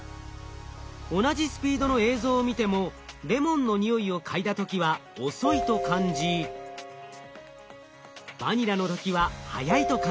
同じスピードの映像を見てもレモンの匂いを嗅いだ時は遅いと感じバニラの時は速いと感じていました。